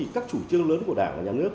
các chủ trương lớn của đảng nhà nước